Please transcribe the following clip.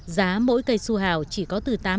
giá mỗi cây su hào chỉ có từ ba triệu đồng